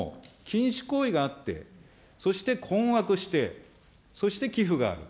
禁止行為があって、そして困惑して、そして寄付がある。